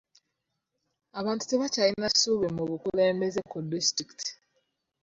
Abantu tebakyalina ssuubi mu bukulembeze ku disitulikiti.